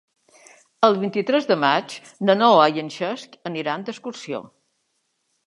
El vint-i-tres de maig na Noa i en Cesc aniran d'excursió.